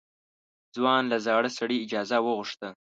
ځوان له زاړه سړي اجازه وغوښته.